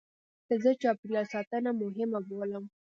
زه چاپېریال ساتنه مهمه بولم.